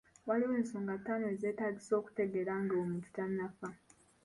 Waliwo ensonga taano ezetaagisa okutegeera nga omuntu tannaffa.